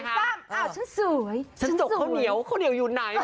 ชันจกข้าวเหนียวข้าวเหนียวอยู่ไหน